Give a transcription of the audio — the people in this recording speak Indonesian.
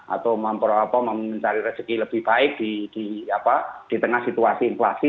atau mencari rezeki lebih baik di tengah situasi inflasi